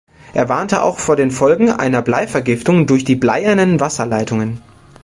Er warnte auch vor den Folgen einer Bleivergiftung durch die bleiernen Wasserleitungen.